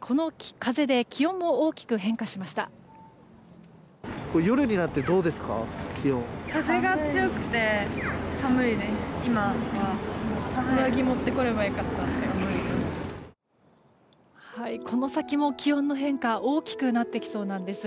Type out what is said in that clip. この先も気温の変化が大きくなってきそうです。